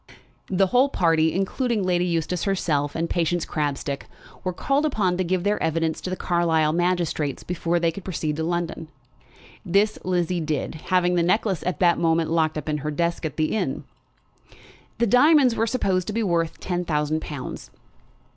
The whole party, including Lady Eustace herself and Patience Crabstick, were called upon to give their evidence to the Carlisle magistrates before they could proceed to London. This Lizzie did, having the necklace at that moment locked up in her desk at the inn. The diamonds were supposed to be worth ten thousand pounds.